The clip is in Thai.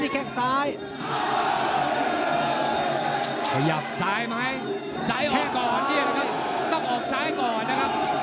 ขยับซ้ายมั้ยซ้ายแค่ก่อนที่ไหนครับครับต้องออกซ้ายก่อนนะครับ